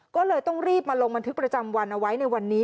ก็เลยต้องรีบมาลงบันทึกประจำวันเอาไว้ในวันนี้